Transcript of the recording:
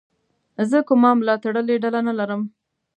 زه کومه ملاتړلې ډله نه لرم.